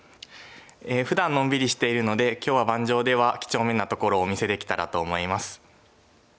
ふだんのんびりしているので今日は盤上では几帳面なところをお見せできたらと思います。